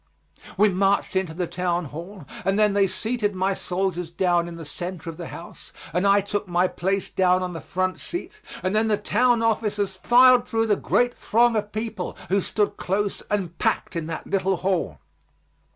We marched into the town hall and then they seated my soldiers down in the center of the house and I took my place down on the front seat, and then the town officers filed through the great throng of people, who stood close and packed in that little hall.